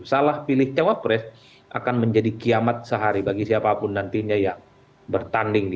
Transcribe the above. salah pilih cawapres akan menjadi kiamat sehari bagi siapapun nantinya yang bertanding di dua ribu dua puluh empat